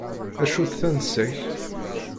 Acu-tt tansa-k?